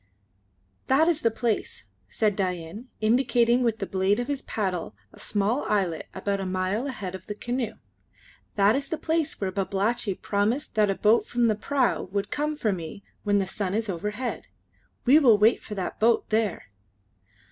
"That is the place," said Dain, indicating with the blade of his paddle a small islet about a mile ahead of the canoe "that is the place where Babalatchi promised that a boat from the prau would come for me when the sun is overhead. We will wait for that boat there."